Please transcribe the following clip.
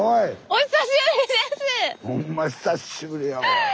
お久しぶりです。